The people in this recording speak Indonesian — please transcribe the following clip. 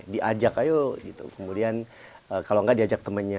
diajak ayo gitu kemudian kalau nggak diajak temennya